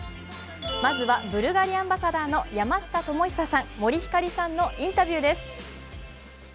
まずは、ブルガリアンバサダーの山下智久さん森星さんのインタビューです。